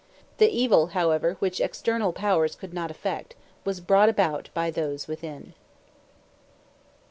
The evil, however, which external powers could not effect, was brought about by those within.